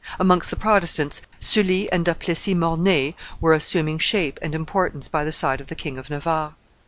Amongst the Protestants, Sully and Da Plessis Mornay were assuming shape and importance by the side of the King of Navarre.